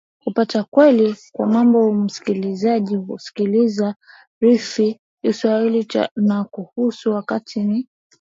kupata ukweli wa mambo msikilizaji sikiliza rfi kiswahili na kuhusu wakti ni